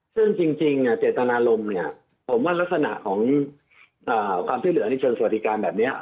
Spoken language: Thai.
ซึ่งจริงเจตนารมผมว่ารักษณะของความที่เหลือในเชิงสวทิการแบบนี้